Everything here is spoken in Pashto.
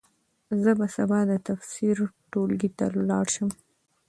زه به سبا د تفسیر ټولګي ته ولاړ شم.